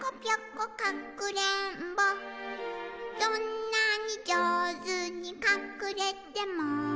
「どんなにじょうずにかくれても」